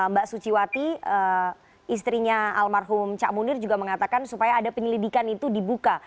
mbak suciwati istrinya almarhum cak munir juga mengatakan supaya ada penyelidikan itu dibuka